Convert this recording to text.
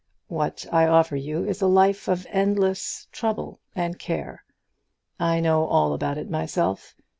"What I offer you is a life of endless trouble and care. I know all about it myself.